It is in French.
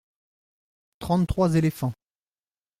Trente-trois éléphants.